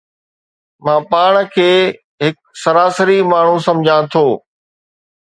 مان پاڻ کي هڪ سراسري ماڻهو سمجهان ٿو